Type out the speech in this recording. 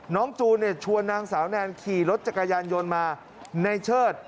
จูนเนี่ยชวนนางสาวแนนขี่รถจักรยานยนต์มาในเชิด